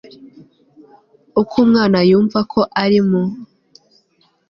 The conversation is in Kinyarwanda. uko umwana yumvako ari mu